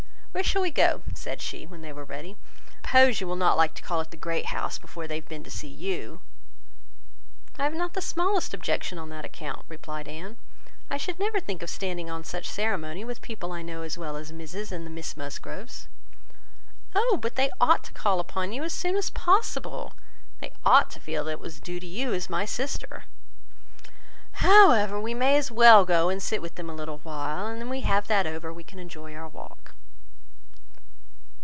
"Where shall we go?" said she, when they were ready. "I suppose you will not like to call at the Great House before they have been to see you?" "I have not the smallest objection on that account," replied Anne. "I should never think of standing on such ceremony with people I know so well as Mrs and the Miss Musgroves." "Oh! but they ought to call upon you as soon as possible. They ought to feel what is due to you as my sister. However, we may as well go and sit with them a little while, and when we have that over, we can enjoy our walk."